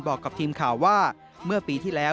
บอกกับทีมข่าวว่าเมื่อปีที่แล้ว